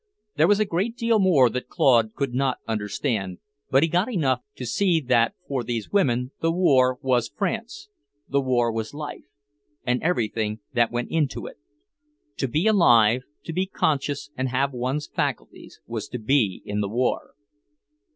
There was a great deal more that Claude could not understand, but he got enough to see that for these women the war was France, the war was life, and everything that went into it. To be alive, to be conscious and have one's faculties, was to be in the war.